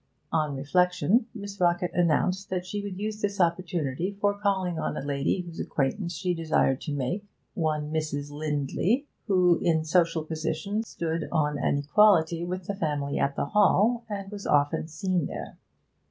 On reflection, Miss Rockett announced that she would use this opportunity for calling on a lady whose acquaintance she desired to make, one Mrs. Lindley, who in social position stood on an equality with the family at the Hall, and was often seen there.